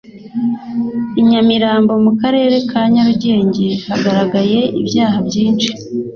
inyamirambo mu karere ka nyarugenge hagaragaye ibyaha byinshi